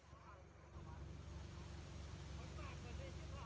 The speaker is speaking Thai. หูปินอยู่ในปลา